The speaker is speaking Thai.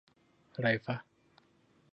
ไรฟะ